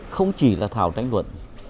không chỉ là thảo đánh luận